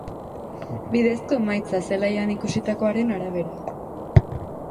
Bidezko emaitza, zelaian ikusitakoaren arabera.